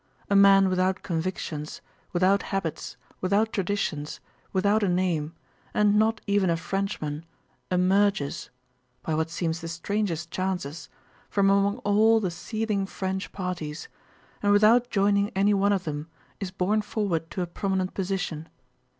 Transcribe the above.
A man without convictions, without habits, without traditions, without a name, and not even a Frenchman, emerges—by what seem the strangest chances—from among all the seething French parties, and without joining any one of them is borne forward to a prominent position.